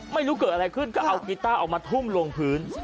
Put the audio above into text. ไม่รู้เกิดอะไรขึ้นก็เอากีต้าออกมาทุ่มลงพื้น